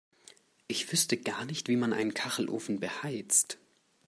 Ich wüsste gar nicht, wie man einen Kachelofen beheizt.